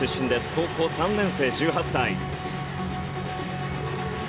高校３年生１８歳。